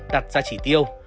đạt ra chỉ tiêu